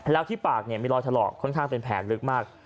แล้วที่ปากมีรอยถลอกค่อนข้างเป็นแผลลึกมาก